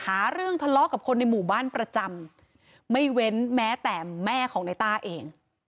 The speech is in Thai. หาเรื่องทะเลาะกับคนในหมู่บ้านประจำไม่เว้นแม้แต่แม่ของในต้าเอง